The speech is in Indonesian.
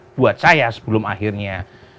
buat saya sebelum akhirnya